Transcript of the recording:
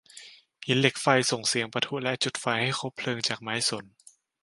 หินเหล็กไฟส่งเสียงปะทุและจุดไฟให้คบเพลิงจากไม้สน